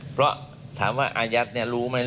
เพราะถามว่าอายัดรู้ไหม